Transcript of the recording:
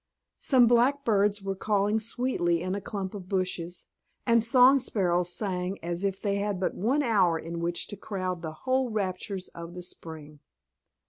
Some blackbirds were calling sweetly in a clump of bushes, and song sparrows sang as if they had but one hour in which to crowd the whole raptures of the spring.